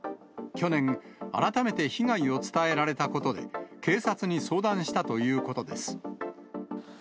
去年、改めて被害を伝えられたことで、警察に相談したということです。